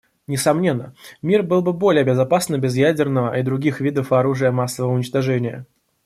Несомненно, мир был бы более безопасным без ядерного и других видов оружия массового уничтожения.